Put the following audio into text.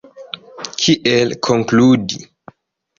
Kiel konkludi?